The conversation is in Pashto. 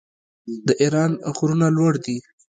د ایران غرونه لوړ دي.